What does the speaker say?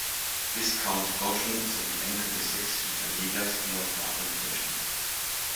Viscount Goschen sowie Enkel des sächsischen Verlegers Georg Joachim Göschen.